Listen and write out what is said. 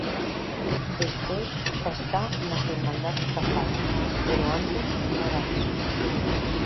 Despois xa está nas Irmandades da Fala... pero antes viñera iso.